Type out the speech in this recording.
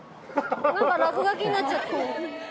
何か落書きになっちゃってる